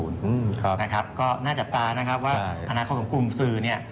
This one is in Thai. นะครับก็น่าจะตานะครับว่าพนักข้อสมคลุมสื่อเนี่ย